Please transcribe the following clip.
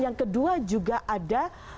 yang kedua juga ada